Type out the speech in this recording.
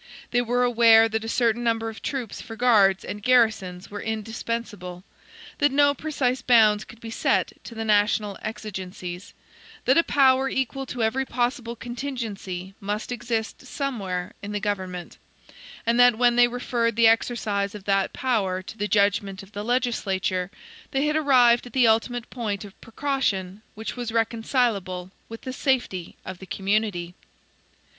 They were aware that a certain number of troops for guards and garrisons were indispensable; that no precise bounds could be set to the national exigencies; that a power equal to every possible contingency must exist somewhere in the government: and that when they referred the exercise of that power to the judgment of the legislature, they had arrived at the ultimate point of precaution which was reconcilable with the safety of the community.